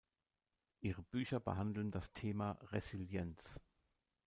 Ihre Bücher behandeln das Thema Resilienz.